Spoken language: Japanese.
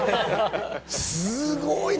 すごいな。